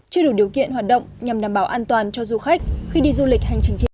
chưa đủ điều kiện hoạt động nhằm đảm bảo an toàn cho du khách khi đi du lịch hành trình trên